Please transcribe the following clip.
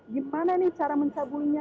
gimana nih cara mencabulinya